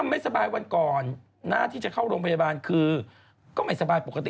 ไม่ก่อนทางมูลบ้าน